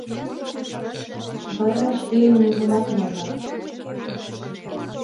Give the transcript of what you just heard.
Вара шке Юмыжымат монда.